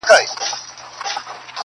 څېره ښيي ډېر ښه انځور